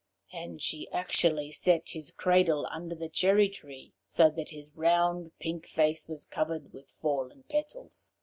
And she actually set his cradle under the cherry trees, so that his round pink face was covered with fallen petals.